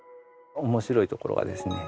面白いところがですね